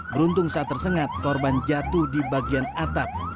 beruntung saat tersengat korban jatuh di bagian atap